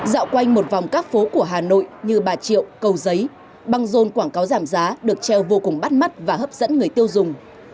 dạo quanh một vòng các phố của hà nội như bà triệu cầu giấy băng rôn quảng cáo giảm giá được treo vô cùng bắt mắt và hấp dẫn người tiêu dùng